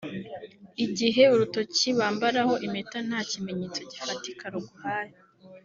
Igihe urutoki bambaraho impeta nta kimenyetso gifatika ruguhaye